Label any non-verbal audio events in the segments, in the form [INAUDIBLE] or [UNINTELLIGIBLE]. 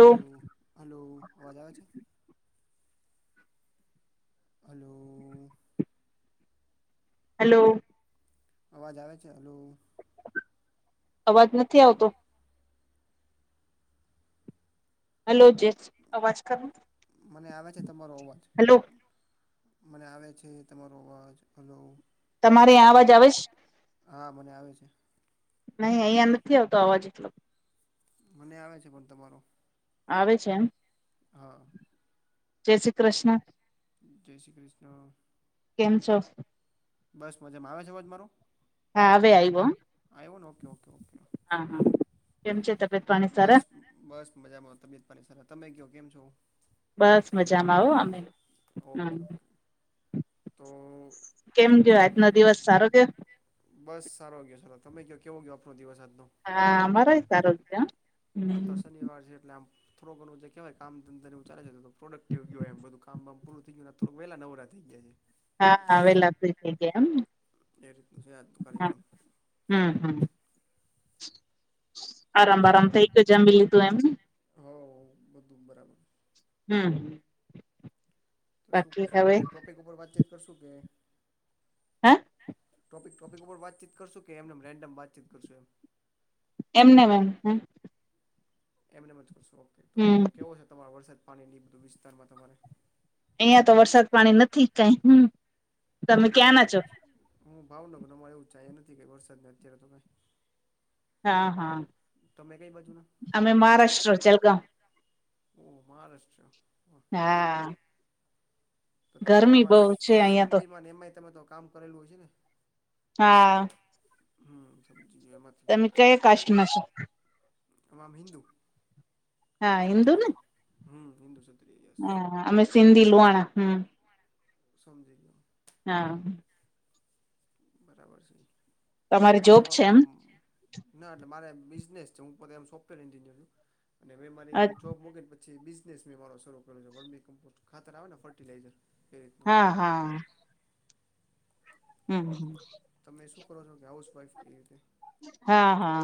Hello, hello અવાજ આવે છે? હલો. હલો. અવાજ આવે છે? હલો. અવાજ નથી આવતો. હલો જેસ, અવાજ કરો. મને આવ છે. તમારો અવાજ હલો. મને આવે છે. તમારો અવાજ, હલો. તમારે અવાજ આવે છે? હા, મને આવે છે. નહી, અહિયાં નથી આવતો અવાજ મને આવે છે. પણ તમારો. આવે છે, એમ? હા. જય શ્રી કૃષ્ણ, જય શ્રી કૃષ્ણ કેમ છો? બસ મજામાં, આવે છે અવાજ મારો? હવે હા, આવે આવ્યો આવ્યોને ઓકે ઓકે. ઓકે હા હા, કેમ છે. તબિયત પાણી બસ સરસ? બસ મજામાં, તબિયત પાની સર, તમે કેવો કેમ છો? બસ મજામાં, આવ અમે હમ. ઓકે ઓકે તો કેમ ગયો, આજનો દિવસ સારો ગયો? બસ સારો ગયો, સારો તમે કયો કેવો ગયો આપનો દિવસ આજનો? હા, અમારોય સારો ગયો હ. આ તો શનિવાર એટલે આમ થડું ઘણું જે કહેવાય કામ ધંધ ઉચારે છે તો પ્રોડક્ટિવ કેવાય એમ બધું કામ બામ. પૂર થ ગયુંને થોડા વેલા નવરા થય ગયા છે. [UNINTELLIGIBLE] એમ. એ રીતનું છે. આજનુ હા કાર્યક્રમ. હમ, હમ, આરામ તો આરામ થઇ ગયો જંમી લીધું એમ. હો, બધું બરાબર. હમ. તો શું બાકી કરશું, હવે ટોપિક ઉપર વાતચીત કરશું કે હે. ટોપિક ઉપર વાતચીત કરશું કે એમને એમ રેન્ડમ વાતચીત કરશું એમ. એમને એમ હમ. એમને મ જ કરશો ઓકે તો હમ કેવો છે તમારો વરસાદ પાણી ની બધું વિસ્તારમાં તમારે. અહિયાં તો વરસાદ પાણી નથી કઈ, હમ. તમે અરે ક્યાંના છો હું ભાવનગર અમારે એવું ચા નથી કે વરસાદ ને અત્યારે તો કઈ. હા, હા, તમે કઈ બાજુના અમે મહારાષ્ટ્ર ચલગાવ. હુ મહારાષ્ટ્ર. હા. તો તમે તો ગરમી આમાં બહુ છે અહિયાં તો સિંધીમાં એમય તમે તો કામ કરેલું હછે ને. હા. હમ્મ. તમે કઈ કાસ્ટ્ટમાંશો? તમામ હિન્દુ. હા સત્રીય હમ, હિન્દુ સત આ હા, અમે સિંધી લુંવાણા હમ. સમજી ગીયો. હા. બરાબર છે. તમારે તો જોબ છે તમારું એમ આમ ના એટલે મારે બિઝનેસ છે હું પોતે આમ સોફ્ટવેર એન્જિનિયર છું અને મે મારી હા જોબ મુકીને પછી છે બિઝનેસ મારો શરૂ કરયો છે વનમી કંપોઝ ખાતર આવે ને ફર્ટિલાઈઝર હા હા. હમ્મ હમ્મ. તમે શું કરો છો કે હાઉસવાઈફ કે એવી રીતે? હા હા.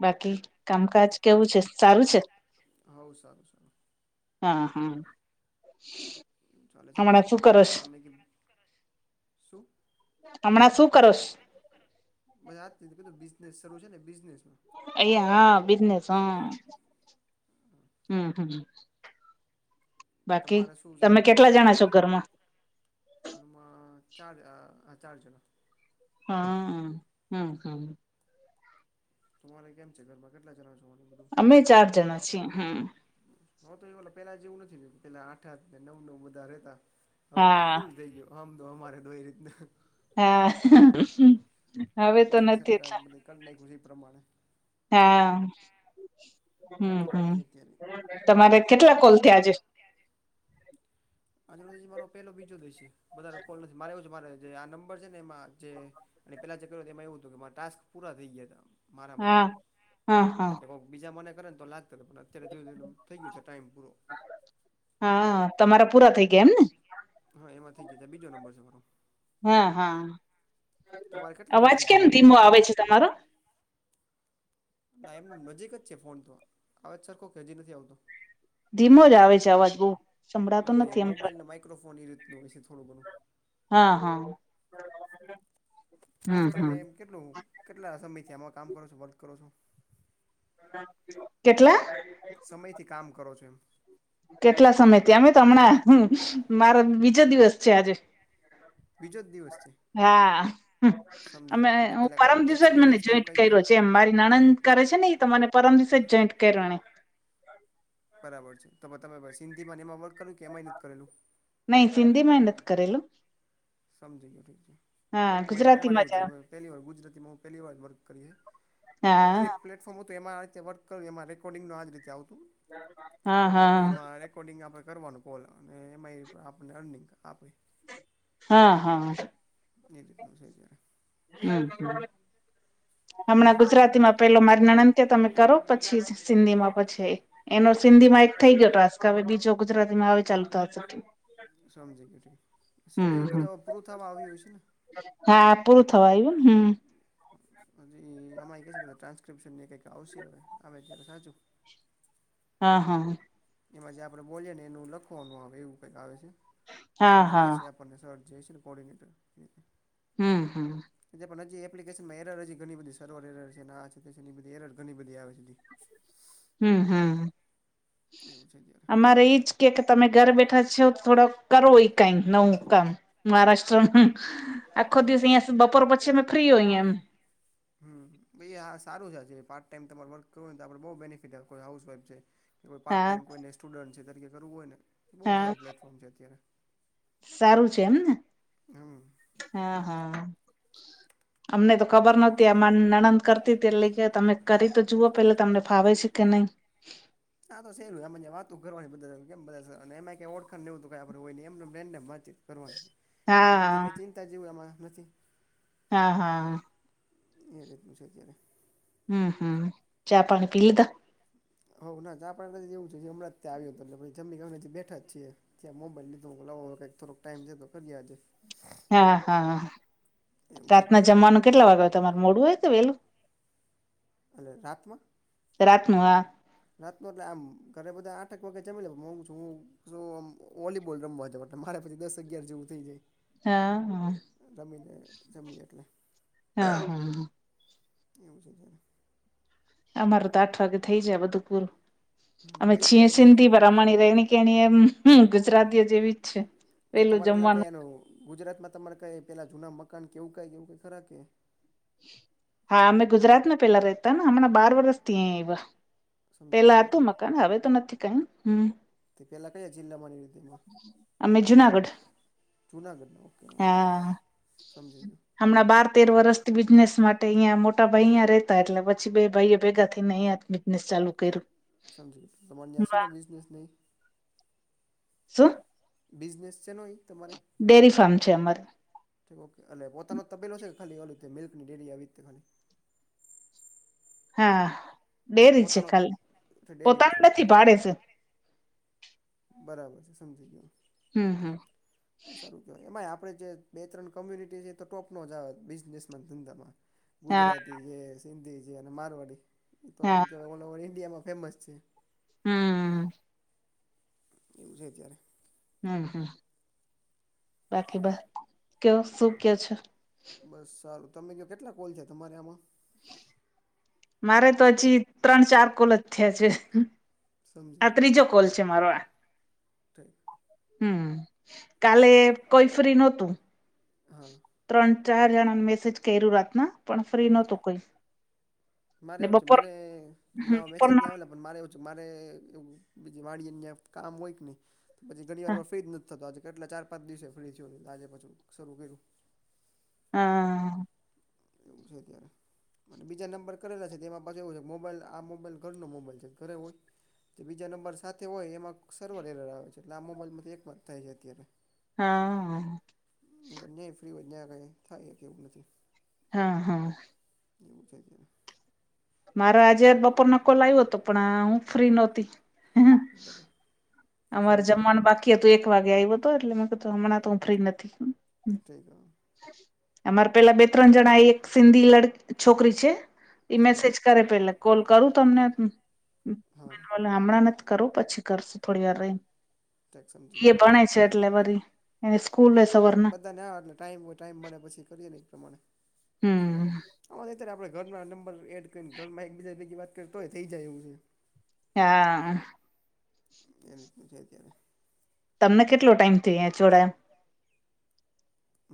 બાકી કામકાજ કેવું છે સારું છે? હઓ સારું સારું. હા હા. કેવું ચાલે છે હમણાં અત્યારે શું કરોશ તમે કેમ હમણાં શું કરોશ? બસ આજ બિઝનેસ શરૂ છે ને બિઝનેસ માં. અહીંયા હા બિઝનસ હા હમ્મ હમ્મ. તમારે શું ચાલે તમે ત્યારે કેટલા જણા તમારે? છો ઘરમાં ઘરમાં ચાર અહ ચાર જણા. હા હ હમ્મ હમ્મ. તમારે કેમ છે ઘરમાં કેટલા જણા છો? અમે ચાર જણા છીએ હમ્મ. હું તો એલો પેલા જેવુ નથી રહ્યું પેલા આઠા ને નવ નવ બધા રહેતા. હવે હા ફિલ થઈ ગયું હમ દો હમારે દો એ રીતને. હા. હવે તો મોદી નથી એટલા સરકારનુ બધે કર નાખ્યું એ પ્રમાણે. હા હમ્મ એવું હમ્મ છે અત્યારે તમારે કેટલા કોલ થયા આજે? થયા છે આજ હજી નો મારો પેલો બીજો જ હશે વધારે કોલ નથી મારે જે મારે આ નંબર છે ને એમાં જે આની પેલા જે કરુ એમાં એવું હતું કે મારા ટાસ્ક પૂરા થઈ ગયા હતા. મારા હા માંથી હા હા એટલે કોક બીજા મને કરે તો લાગ અત્યારે પણ જોય જોય ને થઈ ગયું છે ટાઈમ પૂરો હા તમારા પૂરા થઈ ગયા એમ ને? હા એમાં ગયા છે આ બીજો નંબર છે મારો. હા હા તમારે કેટલા અવાજ અંદાજે કેમ તમે કોણ ધીમો કર્યા આવે છે તમારો? ના એમ નજીક જ છે ફોન તો આવે જ સરખો હજી નથી આવતો? ધીમો જ આવે છે અવાજ બહુ સંભળાતો ના તો નથી એ એમ મોબાઈલ ને માઈક્રોફોન એ રીતનું હોય છે થોડું ઘણું. હા હા. હમ હમ તમે એમ કેટલું કેટલા સમયથી આમાં કામ કરો છો વર્ક કરો છો? કેટલા? સમય થી કામ કરો છો એમ? કેટલા સમય તઅમે તો હમણાં મારા બીજો દિવસ છે આજે. બીજો જ દિવસ છે. હા સમજી અમે ગયો તો તો હું પેલા કઈ પરમ દિવસે જ મને એક્સપિરિયન્સ કેવું જોઈન્ટ કઈ કે કર્યો છે એમ મારી નણંદ કરે છે ને એ તો મને પરમ દિવસે જ જોઈન્ટ કરવાની. બરાબર છે તો તમે મશીનથી બને માં વર્ક કર્યું કે એમાંય નથી કરેલું? નહી સિંધીમાં એ નથ કરેલું. સમજી ગયો ઠીક છે. હા મને ગુજરાતી અમારે માં જ એવું હા છે પહેલી વાર ગુજરાતીમાં હું પહેલી વાર વર્ક કરીએ બીજું એક પ્લેટફોર્મ હતું એમાં આ રીતે વર્ક કર્યું એમાં રેકોર્ડિંગનું આજ રીતે આવતું. હા હા હા. [UNINTELLIGIBLE] આપણે કરવાનું કોલ, અને એમાં ઈ આપણને અર્નિંગ આપે. હા, હા. ઈ રીતનું છે અત્યારે. હમ્મ. હમણાં ગુજરાતીમાં પહેલો મારી નણંદ કહે, તમે કરો, પછી સિંધીમાં પછી. એનો સિંધીમાં એક થઈ ગયો ટાસ્ક. હવે બીજો ગુજરાતીમાં હવે ચાલુ થાશે. સમજી ગયો [UNINTELLIGIBLE] સિંધીમાં હમ. કદાચ હવે પૂરું થવા આવ્યું હશે ને? હા પૂરું થવા આવ્યુંન. હમ્મ. હજી અમારી [UNINTELLIGIBLE] ટ્રાન્સ્ક્રિપ્શન ને એ કંઈક આવશે હવે. આવે ત્યારે સાચું. હા, હા. એમાં જે આપણે બોલીએ ને એનું લખવાનું આવે, એવું કાંઈક આવે છે. હા પણ ઈ હા કહેશે આપ પણને સર જે હશેને કોર્ડીનેટર [UNINTELLIGIBLE] હમ્મ-હમ્મ. ઈ જે પણ હજી એપ્લિકેશનમાં એરર હજી ઘણી બધી, સર્વર એરર છે ને, આ છે ને, તે છે ને, ઈ બધી એરર ઘણી બધી આવે છે હજી. હમ્મ-હમ્મ. એવું છે જ્યારે. અમારે ઈજ કહે કે, તમે ઘરે બેઠા છિઓ, તો થોડોક કરો ઈ કંઈ નવું કામ. મહારાષ્ટ્રમ. આખો હા દિવસ અહીંયા બપોર પછી અમે ફ્રી હોઈએ એમ. હમ્મ, એ આ સારું છે. આ જે પાર્ટ ટાઈમ તમારે વર્ક કરવું હોય ને તો આપણે બહુ બેનિફિટ આપે. કોઈ હાઉસવાઇફ છે કે કોઈ પાર્ટ હા ટાઈમ કોઈને સ્ટુડન્ટ છે તરીકે કરવું હોય ને, તો બહુ હા સારું પ્લેટફોર્મ છે અત્યારે. સારું છે એમને. હમ હા, હા. અમને તો ખબર નહોતી, અમાર નણંદ કરતી તી એટલે કહ્યે, તમે કરી તો જુઓ પહેલા તમને ફાવે છે કે નહીં. આ તો સહેલું. આમાં જે વાતું કરવાની બધા [UNINTELLIGIBLE] કેમ બધા, અને એમાંઈ ઓળખણ ને એવું તો કાંઈ આપણે હોય નહીં. એમ-નેમ રેન્ડમ વાત-ચીત કરવાની. એટલે બીજી હા કાંઈ ચિંતા જેવુંઈ આમાં નથી. હા, હા. એ રીતનું છે અત્યારે. હમ્મ-હમ્મ. ચા-પાણી પી લીધા? હોવ. ના ચા-પાણી [UNINTELLIGIBLE] એવું છે. હમણાં જ ત્યાં આવ્યો તો. એટલે જમી [UNINTELLIGIBLE] બેઠા જ છીએ. ત્યાં મોબાઇલ લીધો, હું કઉં લાવો હવે કંઈક થોડો ટાઈમ છે તો કરીએ આજે. હા, હા. એવું છે રાતના ત્યારે જમવાનું કેટલા વાગે હોય તમારે? મોડું હોય કે વહેલું? એટલે રાતમાં? રાતનું હા રાતનો એટલે આમ ઘરે બધા આઠેક વાગે જમી લે. [UNINTELLIGIBLE] હું વોલીબોલ રમવા જવા જાઉં. એટલે મારે પછી દસ-અગિયાર જેવું થઈ જાય. હા, હા, રમીને જમીએ એટલે હા, હા. એવું છે [UNINTELLIGIBLE] અમાર તો આઠ વાગે થઇ જાય બધું પૂરું. હમ અમે બે છીએ જગ્યા પર ઈ સિંધી [UNINTELLIGIBLE] પણ અમારી રહેણી-કહેણી એમ ગુજરાતીઓ જેવી છે. તે વહેલું તમારે એટલે કઈ જમવાનું એનું ગુજરાતમાં તમારે કાંઈ પહેલા જૂના મકાન, કે એવું કાંઈ એવું કાંઈ ખરા કે? હા. અમે ગુજરાતમા પહેલા રહેતાને, હમણા બાર વર્ષથી અહીંયાં આઇવા. સમજી પહેલા ગયો હતું મકાન. હવે તો નથી કાંઈ હમ્મ. તે પહેલા કયાં જિલ્લામાં અમે જુનાગઢ [UNINTELLIGIBLE] જુનાગઢના. ઓકે હા. સમજી ગયો. હમણાં બાર-તેર વર્ષથી બિઝનેસ માટે અહીંયા મોટા ભાઈ અહીંયા રહેતા, એટલે પછી બે ભાઈઓ ભેગા થઈ ને અહીંયા બિ જનેસ ચાલુ કર્યું. સમજી ગયો. તમારે ન્યાં વાહ શેનો બિઝનેસ ને ઈ? શું બિઝનેસ શેનો ઇ તમારે [INAUDIBLE] ડેરી ફાર્મ છે અમારે [UNINTELLIGIBLE] ઓકે એટલે પોતાનો તબેલો છે કે ખાલી [UNINTELLIGIBLE] મિલ્કની ડેરી આવી રીતે ખાલી હા ડેરી છે પોતાનો ખાલી અચ્છા ડેરી જ છે પોતાનો ઓકે નથી ભાડે છ બરાબર છે સમજી ગયું હ હમ હમ [INAUDIBLE] [UNINTELLIGIBLE] સારું કહેય એમાંય આપે જે બે ત્રણ કોમ્યુનિટી છે તો ટોપનોો જ આવે બિઝનેસમાં ધંધામાં હા ગુજરાતી છે સિંધી છે અને મારવાડી તો આમ હા કહેવાય ઓલ ઓવર ઈન્ડિયામાં ફેમસ છે હમ કેવુ છે અત્યારે હમ હમ [INAUDIBLE] બાકી બહ કયો શું કયો છે બસ સારું તમે ક કેટલા કોલ છે તમારે આમાં મારે તો અચી ત્રણ ચાર કોલજ થયા છે આ સમજી ત્રીજો કોલ છે મારો આ ગયો [INAUDIBLE] [UNINTELLIGIBLE] હમ કાલે ઠીક. કોઈ ફ્રી નતું હા ત્રણ ચાર જણાને મેસેજ કર્યું રાતના પણ ફ્રી હા નતું કોઈ મારે ને એવું છે બપોર મને મેસેજ બપોરના નહીં આવેલા મારે એવું છે મારેવ [UNINTELLIGIBLE] બી વાડી ન્યા કામ હોય કે નહી તો પછી ઘણી હા વારમાં ફ્રી જ નથી જ થતો આજે કેટલા ચાર પાંચ દિવસે ફ્રી થયો તો આજે પછું શરૂ કર્યું આ.... કેવુ છે ત્યારે અને બીજા નંબર કરેલા છે તેમાં પાછ એવું છે કે મોબાઈલ આ મોબાઈલ ઘરનો મોબાઈલ છે ઘરે હોય તે બીજા નંબર સાથે હોય એમાં સર્વર એેરર આવે છે એટલે આ મોબાઈલમાંથી એક વાત થાય છે અત્યારે હા.... ન્યાય ફ્રી હોય ન્યા કઈ થાય કે એવું નથી હા હ [UNINTELLIGIBLE] ત્યા મારે આજે બપોર નો કોલ આવ્યો હતો પણ હું ફ્રી નહોતી [UNINTELLIGIBLE] અમારે ગયો જમવાનું બાકી હતું એક વાગે આવ્યો હતો એટલે મે કીધુ હમણાં તો હું ફ્રી નથી [UNINTELLIGIBLE] અમારે પેલા બે ત્રણ જણા એ એક સિંધી [UNINTELLIGIBLE] છોકરી છે ઈ હા મેસેજ કરે પેલા કોલ કરું તમને [UNINTELLIGIBLE] હા ના હમણાં નત કરો પછી કરશું થોડી વાર રહીન ઠીક સમજી એ ગયો ભણે છે એટલે વરી એની સ્કૂલ હો સવરના [UNINTELLIGIBLE] ટાઈમ હો ટાઈમ મળે પછી કરીએ પ્રમાણે હમ [INAUDIBLE] ત્યારે આપે ઘરના નંબર એડ કરીને ઘરમાં એકબીજા ભગી વાત કરી તોય થઈ જાય એવું છે એ હા... એ રીતનું છે અત્યારે તમને કેટલો ટાઈમ થયો આયા ચોડાયા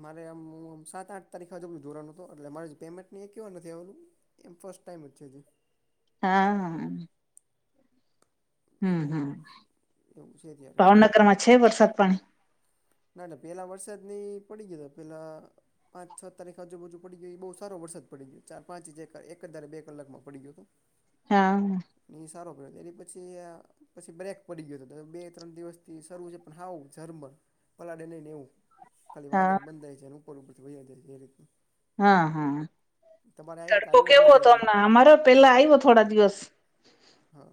મારે આમ સાત આઠ તારીખે હજુું ધોરનો હતો એટલે મારે પેમેન્ટ [UNINTELLIGIBLE] નથી આવેલું એમ ફસ્ટ ટાઈમ છે હજી હામ હમ હમ એવું છે [INAUDIBLE] ત્યારે ભાવનગરમાં છે વરસાદ પાણી ના ના પેલા વરસાદ ની પડી ગયા પેલા પાંચ છ તારીખ આજુબજુ પડી ગઈ એ બહુ સારો વરસાદ પડી ગયો ચાર પાંચચ એક હ ધારે બે કલાકમાં પડી ગયો હતો. હા હ, સારો પડ્યો એ પછી પછી બ્રેક પડી ગયો હતો બે ત્રણ દિવસથી સારું પણ હાઉ ઝર્મર, પલાડે નઈ ને એવું ખાલી હા વાદળ બંધાય છે અને ઉપર ઉપર વઈ જાય છે એ રીત, હા હા, તડકો આવ્યો જ કેવો નથી હતો હજી અમના અમારે પેલા આવ્યો થોડા દિવસ, હા,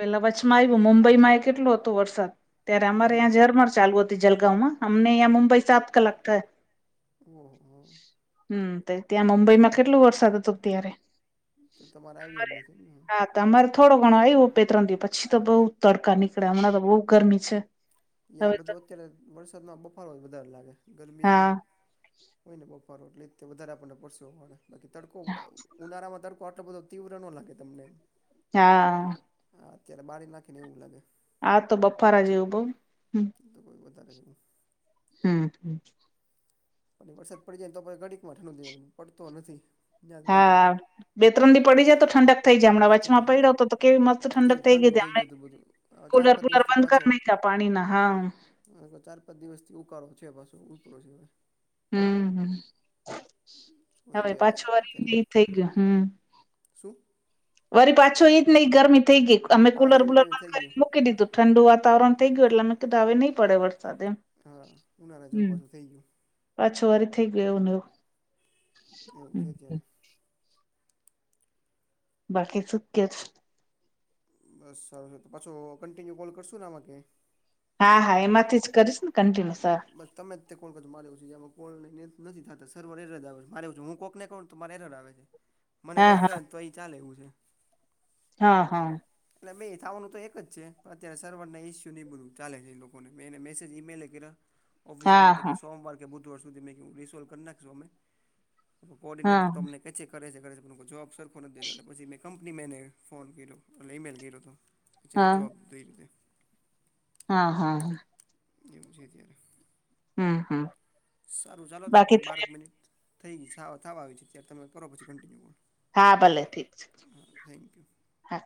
પેલા વચ્છમાં આવ્યું મુંબઈમાં કેટલો હતો વરસાદ ત્યારે અમારે હમ અહીંયા ઝરમર ચાલુ હતી જલગાંમાં અમને અહીંયા મુંબઈ સાત કલાક હ હ, હમ ત્યાં મુંબઈમાં કેટલો વરસાદ હતો ત્યારે, તો તમારે આવ્યો જ નથીને હ, અમારે થોડો ઘણો આવ્યો બે ત્રણ દિવ પછી તો બહુ તડકા નીકળે હમણાં તો બહુ ગરમી છે હવે ત્યાં તો બધું અત્યારે વરસાદમાં બફારોય વધારે લાગે, ગરમી હા હોય ને બફારો એટલે વધારે આપણને પરસેવો પડે બાકી તડકો ઉનાળામાં તડ કો આટલો બધો તીવ્ર ન લાગે તમને, હા, હા અત્યારે બારી નાખીને એવું લાગે. આ તો બપારા જેવું બઉ, હમ તો કોઈ વધારે છે, [UNINTELLIGIBLE] હમ, અને વરસાદ પડી જાય ને તો પહ ઘડીકમાં ઠંડો થઇ જાય, પડતો નથી. ત્યાં જ વાંધો હા બે ત્રણ દી પડી જાય તો ઠંડક થઈ જાય હમણાં છે ઠંડુ વચમાં થઈ પડીયો જાય તો તો કેવી મસ્ત ઠંડક કેવી થઈ ગઈ ઠંડુ હતી અમને, ગયું હતું બધું ચાર કુલર પાંચ પુલર બંધ કર નાખ્યા પાણીના હા, હા તો ચાર પાંચ દિવસથી ઉકાળો છે પાછો ઉપડ છે ભાઈ, હમ શું હવે એ પાછો આવે વાર અત્યારે નઈ થઇ ગયો હમ, શું? વરી પાછો એઈ જ નઈ ગરમી થઈ ગઈ અમે હા કુલર એવી ને વુલર એવી બંધ થઈ ગયું કરીને મૂકી દીધું, ઠંડુ વાતાવરણ થઈ ગયું એટલે અમે કીધા આવી નહી પડે વરસાદ એમ, હા ઉનાળા જેવું હમ પાછું થઇ ગયું. પાછો વારી થઈ ગયોને એવું, એવું હમ છે અત્યારે, બાકી સુ કે છ, બસ સારું છે, તો પાછો કન્ટિન્યુ કોલ કરશું ને આમાં ક, [UNINTELLIGIBLE] હા હા એમાંથી જ કરીશને કન્ટિન્યુ સારું, બસ તમે જ તે કોણ ક મારેવ છ છે જેમાં કોણ નથી થતા સર્વર એરર આવે મારે છું હું કોઈકનેં કોણ તો મારે એરર આવે છે. [INAUDIBLE] મને કોક હા કરે ને તો એ ચાલે એવું છે. હા હા, એટલે ભાઈ થવાનું તો એક જ છે પણ અત્યારે સર્વરના ઇસ્યુ નહીં બધું ચાલે છે એ લોકોને મેં એને મેસેજ ઇમેલે કર્યા. હા હા ઓફિસિયલમાં સોમવાર કે બુધવાર સુધી મે રિસોલ્ કરી નાખશું અમે, હા કોર્ડિનેટર તો અમને કે છે કરે છે, કરે છે, પણ જવાબ સરખો નથી દેતા એટલે પછી મે, કંપની મેને ફોન કર્યો એટલે ઇમેલ કર્યો હતો કે જેને હા જવાબ દઈ દે. હા હા, [UNINTELLIGIBLE] હમ હમ સારું ચાલો તો બાકી આપડે બારક મિનિટ થઈ ગઈ થવા આવી ત્યારે તમે કરો પછી કન્ટિન્યુ [UNINTELLIGIBLE] હા ભલે ઠીક છે હા થેન્ક યુ હા.